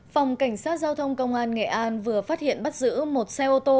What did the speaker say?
phòng cảnh sát giao thông công an nghệ an vừa phát hiện bắt giữ một xe ô tô